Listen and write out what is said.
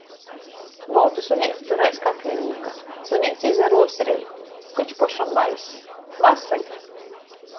Boltu suneiti tur aiz kaklinīka, suneits izaruovs rej, koč pošam bais. Vasali!